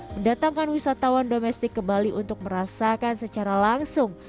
mendatangkan wisatawan domestik ke bali untuk merasakan secara langsung